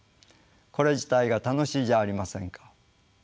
これ自体が楽しいじゃありませんか。